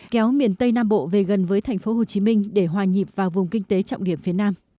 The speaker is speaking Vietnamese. kéo miền tây nam bộ về gần với thành phố hồ chí minh để hòa nhịp vào vùng kinh tế trọng điểm phía nam